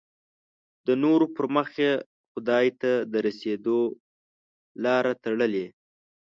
د نورو پر مخ یې خدای ته د رسېدو لاره تړلې.